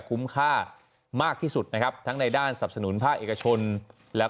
คุ้มค่ามากที่สุดนะครับทั้งในด้านสับสนุนภาคเอกชนและ